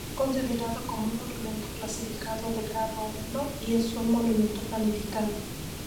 Está considerado como un monumento clasificado de Grado I y es un monumento planificado.